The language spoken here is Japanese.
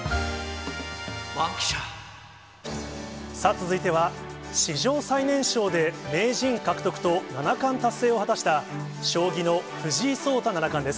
続いては、史上最年少で名人獲得と七冠達成を果たした将棋の藤井聡太七冠で